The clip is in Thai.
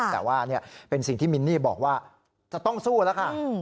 แต่ว่าเป็นสิ่งที่มินนี่บอกว่าจะต้องสู้แล้วค่ะ